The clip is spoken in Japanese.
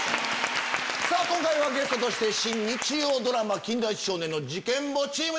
今回ゲストとして新日曜ドラマ『金田一少年の事件簿』チーム